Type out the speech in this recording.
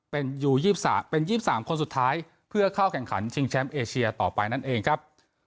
เป็นยู๒๓คนสุดท้ายเพื่อเข้าแข่งขันชิงแชมป์เอเชียต่อไปนั่นเองครับ